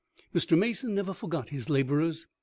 Mr. Mason never forgot his laborers.